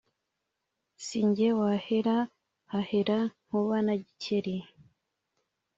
Si jye wahera hahera Nkuba na Gikeli